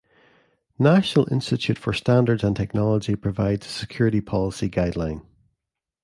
National Institute for Standards and Technology provides a security-policy guideline.